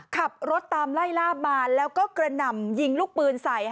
ขับรถตามไล่ลาบมาแล้วก็กระหน่ำยิงลูกปืนใส่